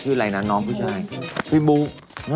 ชื่ออะไรนะน้องผู้ชายพี่บุ๊ค